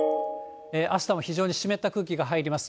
あしたも非常に湿った空気が入ります。